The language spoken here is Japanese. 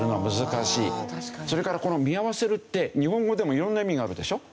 それからこの「見合わせる」って日本語でもいろんな意味があるでしょ？